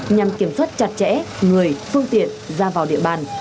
nhằm kiểm soát chặt chẽ người phương tiện ra vào địa bàn